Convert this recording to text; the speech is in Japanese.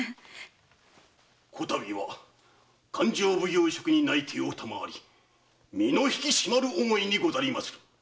此度は勘定奉行職に内定を賜り身の引き締まる思いにござりまする。